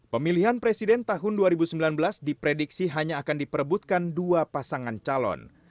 pemilihan presiden tahun dua ribu sembilan belas diprediksi hanya akan diperebutkan dua pasangan calon